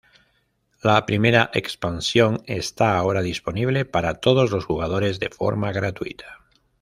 La primera expansión esta ahora disponible para todos los jugadores de forma gratuita.